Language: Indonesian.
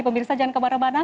pemirsa jangan kemana mana